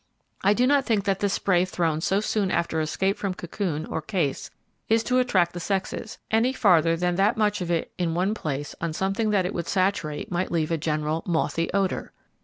I do not think that the spray thrown so soon after escape from cocoon or case is to attract the sexes, any farther than that much of it in one place on something that it would saturate might leave a general 'mothy' odour.